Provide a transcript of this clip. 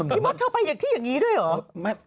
พี่มอสเธอไปที่อย่างนี้ด้วยเหรอ